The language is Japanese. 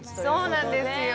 そうなんですよ。